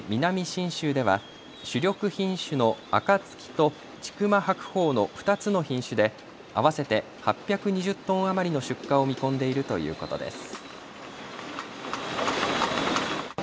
信州では主力品種のあかつきと千曲白鳳の２つの品種で合わせて８２０トン余りの出荷を見込んでいるということです。